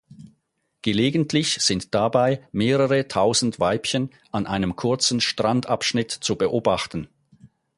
Gelegentlich sind dabei mehrere tausend Weibchen an einem kurzen Strandabschnitt zu beobachten.